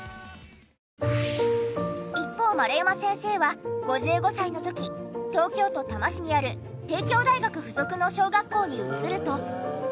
一方丸山先生は５５歳の時東京都多摩市にある帝京大学付属の小学校に移ると。